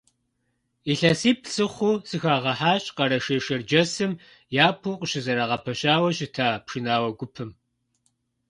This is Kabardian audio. ИлъэсиплӀ сыхъуу сыхагъэхьащ Къэрэшей-Шэрджэсым япэу къыщызэрагъэпэщауэ щыта пшынауэ гупым.